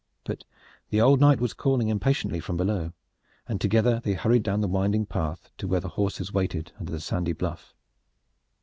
But the old knight was calling impatiently from below and together they hurried down the winding path to where the horses waited under the sandy bluff.